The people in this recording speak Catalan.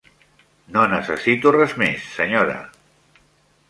No necessito res més, senyora.